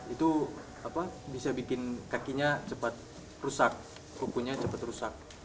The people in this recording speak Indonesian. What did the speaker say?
itu bisa bikin kakinya cepat rusak kukunya cepat rusak